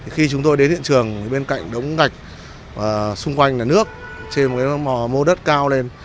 khi chúng tôi đến hiện trường bên cạnh đống gạch xung quanh là nước trên một cái m mô đất cao lên